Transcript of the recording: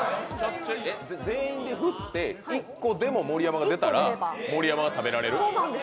全員で振って、１個でも盛山が出たら盛山が食べられる。